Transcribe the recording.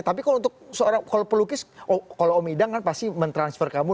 tapi kalau pelukis kalau om idang kan pasti mentransfer kamu